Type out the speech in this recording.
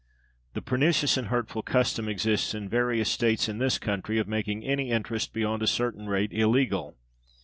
The pernicious and hurtful custom exists in various States in this country of making any interest beyond a certain rate illegal.